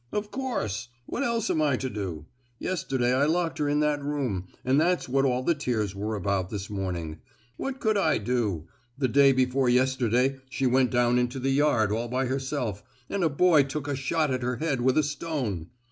"Of course! What else am I to do? Yesterday I locked her in that room, and that's what all the tears were about this morning. What could I do? the day before yesterday she went down into the yard all by herself, and a boy took a shot at her head with a stone!